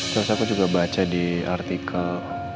terus aku juga baca di artikel